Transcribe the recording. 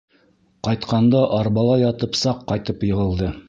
Ҡайтҡанда арбала ятып саҡ ҡайтып йығылды.